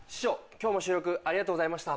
今日も収録ありがとうございました。